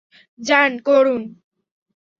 যান, করুন।